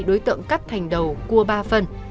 đối tượng cắt thành đầu cua ba phần